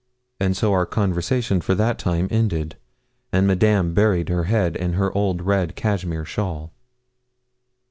And so our conversation for that time ended, and Madame buried her head in her old red cashmere shawl.